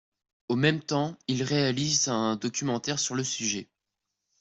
Au même temps, il réalise un documentaire sur le sujet.